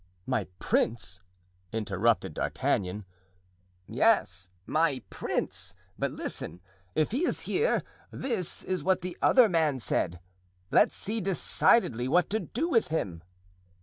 '" "My prince!" interrupted D'Artagnan. "Yes, 'my prince;' but listen. 'If he is here'—this is what the other man said—'let's see decidedly what to do with him.